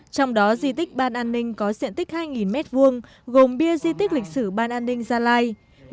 trong đó di tích ban an ninh có diện tích hai m hai gồm bia di tích lịch sử ban an ninh gia lai một nghìn chín trăm sáu mươi hai một nghìn chín trăm bảy mươi năm